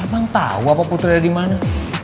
emang tau apa putri ada dimana